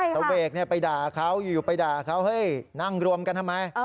เสวกไปด่าเขาอยู่ไปด่าเขาเฮ้ยนั่งรวมกันทำไม